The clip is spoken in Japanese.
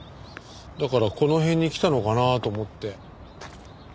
だからこの辺に来たのかなと思って。